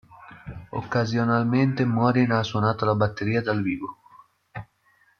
Occasionalmente Morin ha suonato la batteria dal vivo.